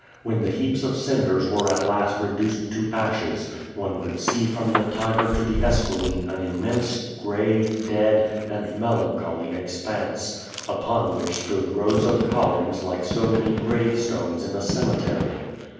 When the heaps of cinders were at last reduced to ashes, one could see from the Tiber to the Esqui line an immense, gray, dead, and melancholy expanse, upon which stood rows of columns like so many grave stones in a cemetery.